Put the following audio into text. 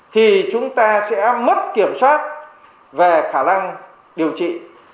thì chúng ta sẽ mất kiểm soát về khả năng điều trị